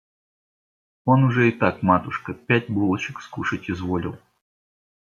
Он уже и так, матушка, пять булочек скушать изволил.